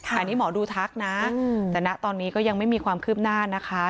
อันนี้หมอดูทักนะแต่นะตอนนี้ก็ยังไม่มีความคืบหน้านะคะ